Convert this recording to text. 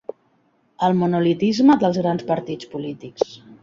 El monolitisme dels grans partits polítics.